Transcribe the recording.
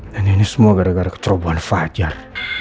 dan ini semua gara gara kecerobohan fajar